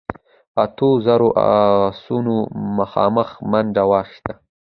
اتو زرو آسونو مخامخ منډه واخيسته.